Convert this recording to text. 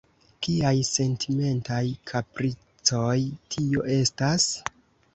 Kiaj sentimentaj kapricoj tio estas?